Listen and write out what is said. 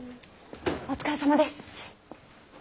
お疲れさまです。